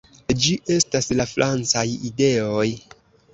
Ĝi estas la francaj ideoj.